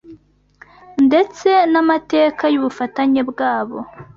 ndetse n’amateka y’ubufatanye bw’abo